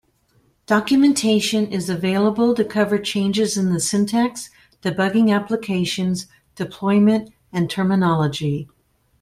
Documentation is available to cover changes in the syntax, debugging applications, deployment and terminology.